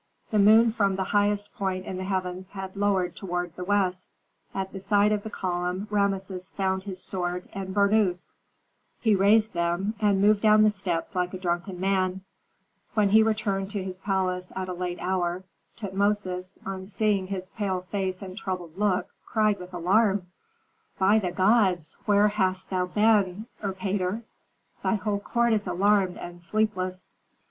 The moon from the highest point in the heavens had lowered toward the west. At the side of the column Rameses found his sword and burnous. He raised them, and moved down the steps like a drunken man. When he returned to his palace at a late hour, Tutmosis, on seeing his pale face and troubled look, cried with alarm, "By the gods! where hast thou been, Erpatr? Thy whole court is alarmed and sleepless."